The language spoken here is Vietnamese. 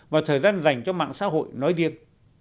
và thời gian dành cho mạng xã hội nói điên